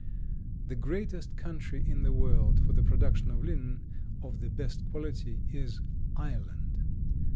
The greatest country in the world for the production of linen of the best quality is Ireland.